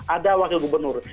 ada wakil gubernur